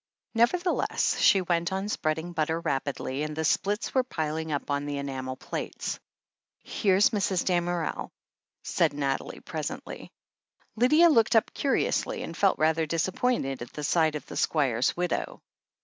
Nevertheless, she went on spreading butter rapidly, and the splits were piling up on the enamel plates. "Here's Mrs. Damerel," said Nathalie presently. Lydia looked up curiously, and felt rather disappointed at the sight of the Squire's widow.